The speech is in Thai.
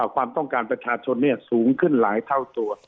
ความต้องการประชาชนสูงขึ้นหลายเท่าตัว